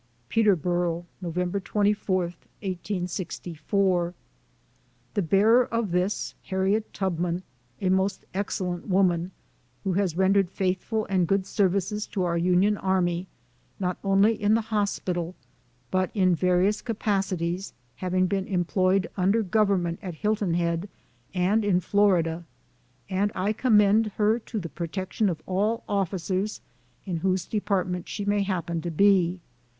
PETERBOKO, Nov. 24, 1864. The bearer of this, Harriet Tubman, a most ex cellent woman, who has rendered faithful and good services to our Union army, not only in the hos pital, but in various capacities, having been em ployed under Government at Hilton Head, and in Florida ; and I commend her to the protection of all officers in whose department she may happen to be.